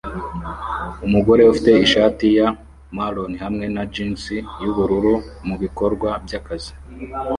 Umugore ufite ishati ya maroon hamwe na jeans yubururu mubikorwa byakazi